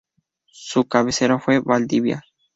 Su cabecera fue Valdivia.